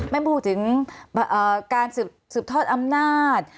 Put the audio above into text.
ไม่พูดถึงการสืบทอดอำนาจ